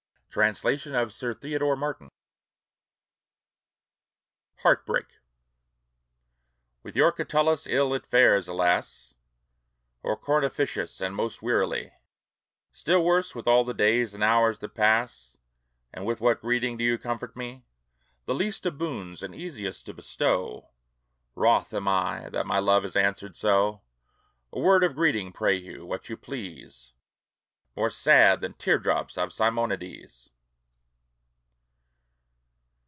Translation of Sir Theodore Martin. HEART BREAK With your Catullus ill it fares, alas! O Cornificius, and most wearily; Still worse with all the days and hours that pass. And with what greeting do you comfort me? The least of boons, and easiest to bestow; Wroth am I, that my love is answered so. A word of greeting, pray you; what you please; More sad than tear drops of Simonides!